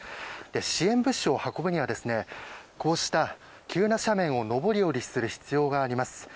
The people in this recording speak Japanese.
支援物資を運ぶにはこうした急な斜面を上り下りする必要があります。